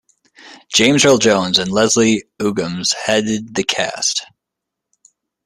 James Earl Jones and Leslie Uggams headed the cast.